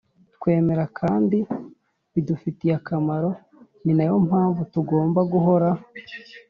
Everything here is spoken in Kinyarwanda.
Twemera kandi bidufitiye akamaro ni nayo mpamvu tugomba guhora